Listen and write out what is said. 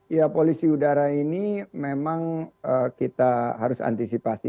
ya polusi udara ini memang kita harus antisipasi